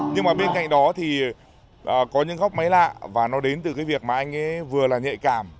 nhưng mà bên cạnh đó thì có những góc máy lạ và nó đến từ cái việc mà anh ấy vừa là nhạy cảm